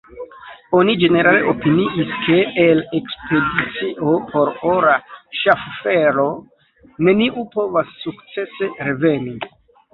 Oni ĝenerale opiniis, ke el ekspedicio por ora ŝaffelo neniu povas sukcese reveni.